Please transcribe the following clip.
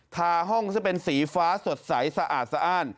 ทาห้องซึ่งเป็นสีฟ้าสดใสสะอาดสะอ้าน